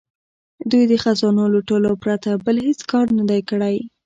دوی د خزانو لوټلو پرته بل هیڅ کار نه دی کړی.